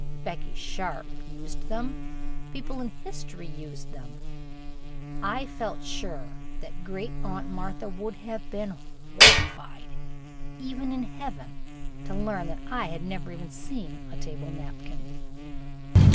Becky Sharp used them. People in history used them. I felt sure that Great Aunt Martha would have been horrified, even in heaven, to learn I had never even seen a table napkin.